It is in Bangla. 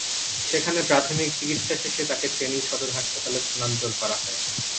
সেখানে প্রাথমিক চিকিৎসা শেষে তাকে ফেনী সদর হাসপাতালে স্থানান্তর করা হয়।